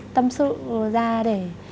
tâm sự ra để